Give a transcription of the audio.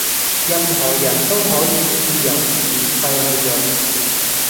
任何人都可以自由同免費去用